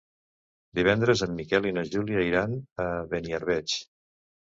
Divendres en Miquel i na Júlia iran a Beniarbeig.